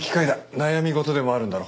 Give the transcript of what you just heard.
悩み事でもあるんだろ？